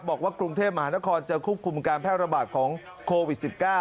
บอกว่ากรุงเทพมหานครจะควบคุมการแพร่ระบาดของโควิด๑๙